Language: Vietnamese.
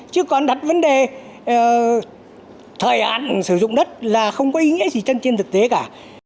chứ còn đặt vấn đề thời hạn sử dụng đất là không có ý nghĩa gì trên thực tế cả